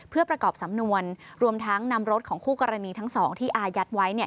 เพื่อประกอบสำนวนรวมทั้งนำรถของคู่กรณีทั้งสองที่อายัดไว้